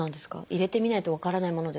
入れてみないと分からないものですか？